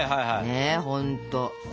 ねえほんと最高。